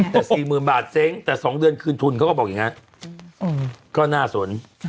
แต่๔๐๐๐บาทเซ้งแต่๒เดือนคืนทุนเขาก็บอกอย่างนี้ก็น่าสน